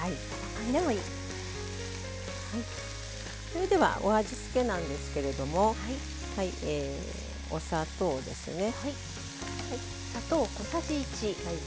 それではお味付けなんですけれどもお砂糖ですね。